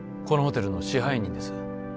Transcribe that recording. このホテルの支配人です